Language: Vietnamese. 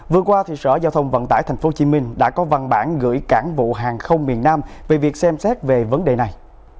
vừa qua sở giao thông vận tải tp hcm đã có văn bản gửi cảng vụ hàng không miền nam về việc xem xét về vấn đề này